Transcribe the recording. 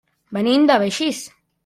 Venim de Begís.